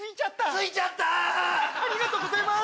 ありがとうございます。